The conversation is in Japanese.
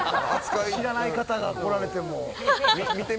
知らない方が来られても。